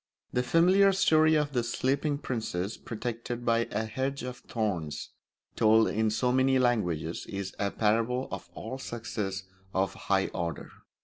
The familiar story of the Sleeping Princess protected by a hedge of thorns, told in so many languages, is a parable of all success of a high order.